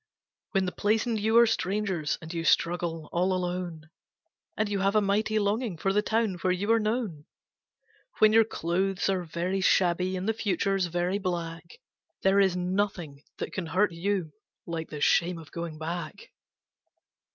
When the place and you are strangers and you struggle all alone, And you have a mighty longing for the town where you are known; When your clothes are very shabby and the future's very black, There is nothing that can hurt you like the shame of going back.